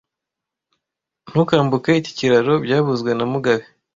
Ntukambuke iki kiraro byavuzwe na mugabe